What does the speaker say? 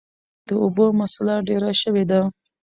چې د اوبو مسله ډېره شوي ده ـ